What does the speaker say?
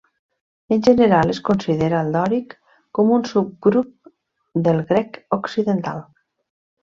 En general es considera el dòric com un subgrup del grec occidental.